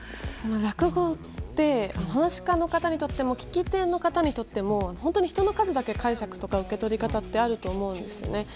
落語って話し方にとっても聞き手にとっても本当に人の数だけ解釈とか受け取り方ってあると思うんですね。